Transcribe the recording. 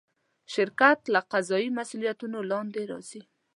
شرکت له قضایي مسوولیتونو لاندې راځي.